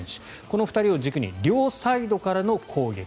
この２人を軸に両サイドからの攻撃